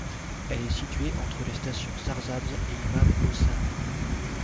Elle est située entre les stations Sarsabz et Imam Hossein.